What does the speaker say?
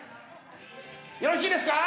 よろしいですか？